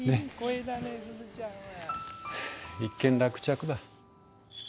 はあ一件落着だ。